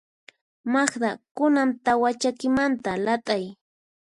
Magda, kunan tawa chakimanta lat'ay.